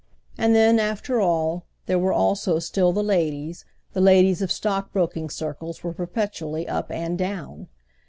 And then, after all, there were also still the ladies; the ladies of stockbroking circles were perpetually up and down.